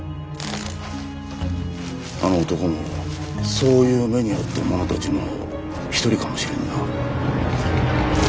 あの男もそういう目に遭った者たちの一人かもしれんな。